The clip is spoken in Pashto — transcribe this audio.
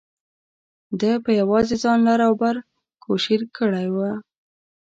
ده په یوازې ځان لر او بر کوشیر کړی و.